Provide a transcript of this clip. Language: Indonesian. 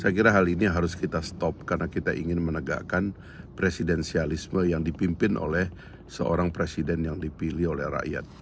saya kira hal ini harus kita stop karena kita ingin menegakkan presidensialisme yang dipimpin oleh seorang presiden yang dipilih oleh rakyat